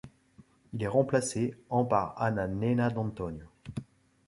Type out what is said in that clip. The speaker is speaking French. Il est remplacé en par Anna Nenna D'Antonio.